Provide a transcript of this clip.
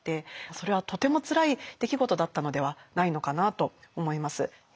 それはとてもつらい出来事だったのではないのかなと思います。